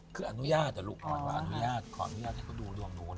คืออนุญาตอนุญาตที่เขาดู